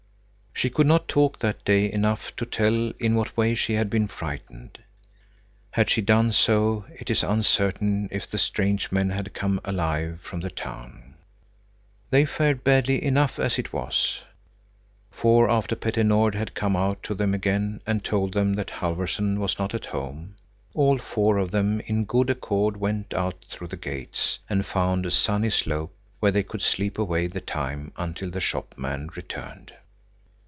She could not talk that day enough to tell in what way she had been frightened. Had she done so, it is uncertain if the strange men had come alive from the town. They fared badly enough as it was. For after Petter Nord had come out to them again, and had told them that Halfvorson was not at home, all four of them in good accord went out through the gates, and found a sunny slope where they could sleep away the time until the shopman returned.